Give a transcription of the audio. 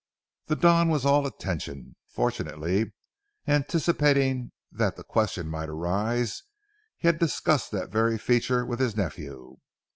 The Don was all attention. Fortunately, anticipating that the question might arise, he had discussed that very feature with his nephew.